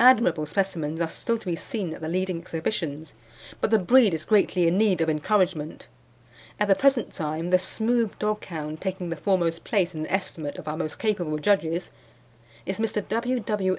Admirable specimens are still to be seen at the leading exhibitions, but the breed is greatly in need of encouragement. At the present time the smooth dog hound taking the foremost place in the estimate of our most capable judges is Mr. W. W.